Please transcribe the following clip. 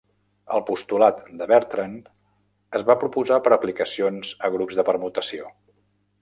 El postulat de Bertrand es va proposar per aplicacions a grups de permutació.